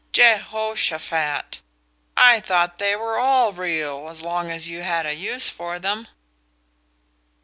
"Jehoshaphat! I thought they were all real as long as you had a use for them."